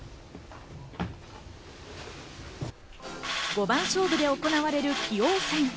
五番勝負で行われる棋王戦。